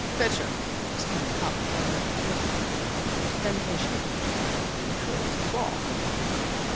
"Pitcher," explained Papa Keller, laconically. Then, patiently: "He throws the ball."